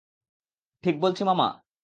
ঠিক বলছি মামা?